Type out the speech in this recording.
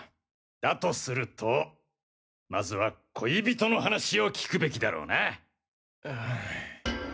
だとするとまずは恋人の話を聞くべきだろうな。